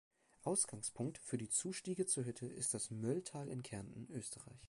Ausgangspunkt für die Zustiege zur Hütte ist das Mölltal in Kärnten, Österreich.